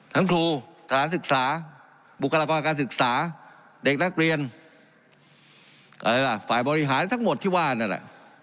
ครูสถานศึกษาบุคลากรการศึกษาเด็กนักเรียนอะไรล่ะฝ่ายบริหารทั้งหมดที่ว่านั่นแหละ